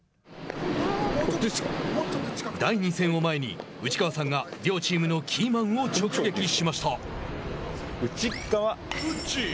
第２戦を前に、内川さんが両チームのキーマンを直撃しました。